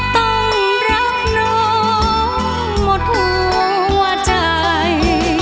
ต้องรักน้องหมดหัวใจ